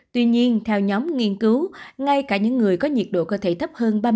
tuy nhiên theo nhóm nghiên cứu ngay cả những người có nhiệt độ cơ thể thấp hơn